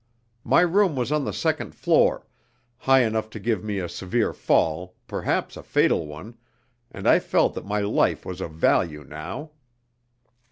My room was on the second floor, high enough to give me a severe fall, perhaps a fatal one, and I felt that my life was of value now.